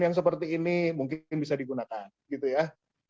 yang seperti ini mungkin bisa digunakan